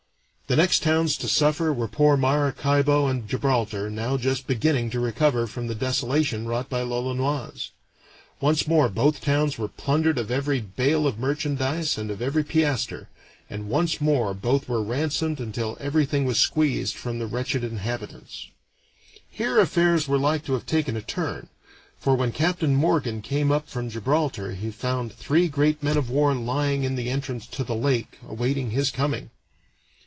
The next towns to suffer were poor Maracaibo and Gibraltar, now just beginning to recover from the desolation wrought by l'Olonoise. Once more both towns were plundered of every bale of merchandise and of every piaster, and once more both were ransomed until everything was squeezed from the wretched inhabitants. Here affairs were like to have taken a turn, for when Captain Morgan came up from Gibraltar he found three great men of war lying in the entrance to the lake awaiting his coming.